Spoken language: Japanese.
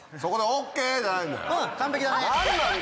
完璧だね。